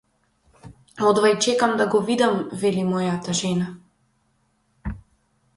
Одвај чекам да го видам, вели мојата жена.